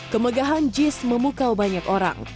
kemegahan jis memukau banyak orang